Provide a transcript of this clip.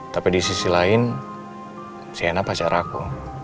tapi di sisi lain sienna pacar aku